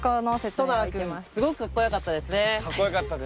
トナーくんすごくかっこよかったですね。